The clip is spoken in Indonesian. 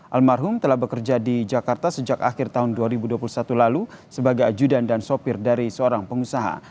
almarhum telah bekerja di jakarta sejak akhir tahun dua ribu dua puluh satu lalu sebagai ajudan dan sopir dari seorang pengusaha